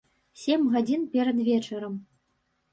Сем гадзін перад вечарам.